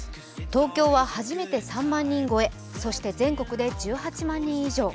東京は初めて３万人超え、そして全国で１８万人以上。